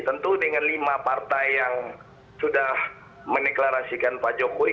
tentu dengan lima partai yang sudah meneklarasikan pak jokowi